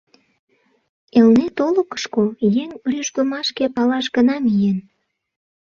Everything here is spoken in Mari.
Элнет олыкышко, еҥ рӱжгымашке палаш гына миен.